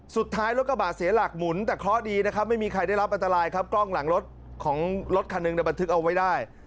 สุดท้ายรถกระบะเสียหลักหมุนแต่เคราะห์ดีนะครับไม่มีใครได้รับอันตรายครับกล้องหลังรถของรถคันหนึ่งในบันทึกเอาไว้ได้